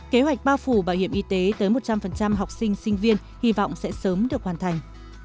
kế hoạch bao phủ bảo hiểm y tế tới một trăm linh học sinh sinh viên hy vọng sẽ sớm được hoàn thành